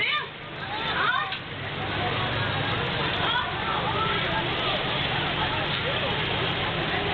นี้ไม่ใช่เวลาจากลงเซนต์ระเบิดมากแล้ว